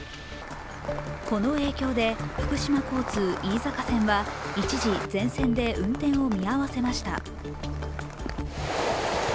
この影響で福島交通・飯坂線は一時、全線で運転を見合わせました。